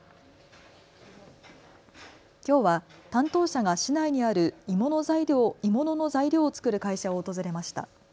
きょうは担当者が市内にある鋳物の材料を作る会社を訪れました。